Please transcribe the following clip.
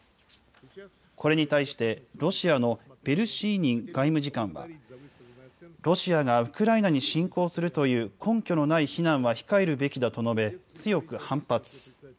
これに対してロシアのベルシーニン外務次官は、ロシアがウクライナに侵攻するという根拠のない批判は控えるべきだと述べ、強く反発。